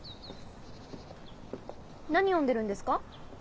何読んでるんですか？